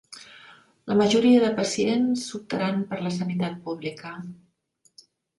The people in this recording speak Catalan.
La majoria de pacients optaran per la sanitat pública.